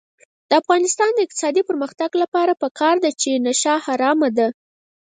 د افغانستان د اقتصادي پرمختګ لپاره پکار ده چې نشه حرامه ده.